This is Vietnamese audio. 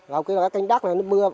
hồi kia là canh đất này nó mưa